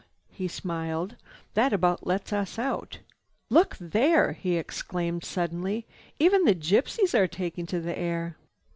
He smiled. "That about lets us out. We— "Look there!" he exclaimed suddenly. "Even the gypsies are taking to the air."